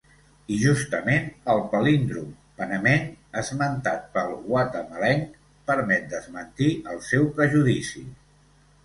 I justament el palíndrom panameny esmentat pel guatemalenc permet desmentir el seu prejudici.